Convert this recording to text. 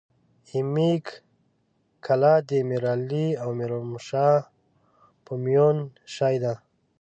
ای ميژ کله دې ميرعلي او میرومشا په میون شې ده